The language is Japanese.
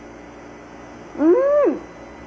うん！